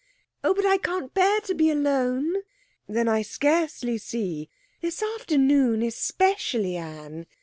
'Oh, but I can't bear to be alone.' 'Then I scarcely see ...' 'This afternoon especially, Anne.